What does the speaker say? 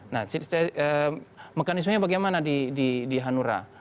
nah mekanismenya bagaimana di hanura